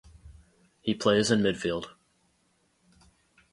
He plays in midfield.